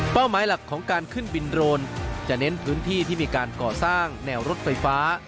หมายหลักของการขึ้นบินโรนจะเน้นพื้นที่ที่มีการก่อสร้างแนวรถไฟฟ้า